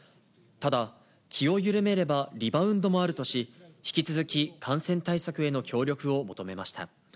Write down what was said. ただ、気を緩めればリバウンドもあるとし、引き続き感染対策への協力を求めました。